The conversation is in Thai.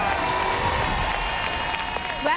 ถูกกว่า